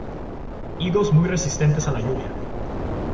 Higos muy resistentes a la lluvia.